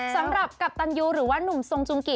สำหรับกัปตันยูหรือว่านุ่มทรงจุงกิ